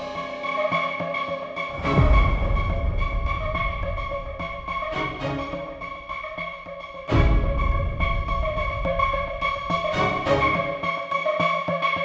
tidak aku mau bohong